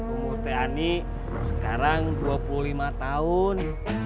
umur teh ani sekarang dua puluh lima tahun